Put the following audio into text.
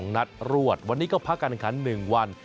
๒นัดรวดวันนี้ก็พักกันคัน๑วัน